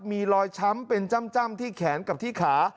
มีรอยช้ำเป็นจ้ำที่แขนกับที่ขา